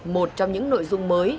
một trong những nội dung mới